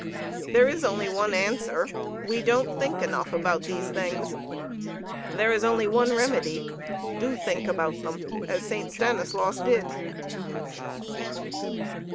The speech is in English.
There is only one answer: we don't think enough about these things. There is only one remedy: do thing about them, as Saint Stanislaus did.